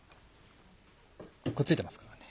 くっついてますからね。